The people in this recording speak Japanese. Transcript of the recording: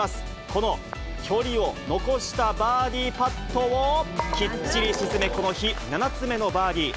この距離を残したバーディーパットを、きっちり沈め、この日７つ目のバーディー。